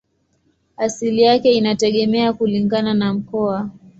Asili yake inategemea kulingana na mkoa.